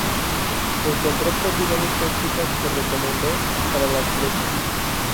Encontró propiedades tóxicas que recomendó para las flechas.